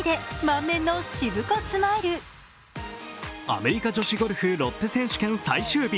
アメリカ女子ゴルフ・ロッテ選手権最終日。